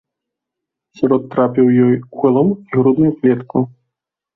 Шрот трапіў ёй у галаву і грудную клетку.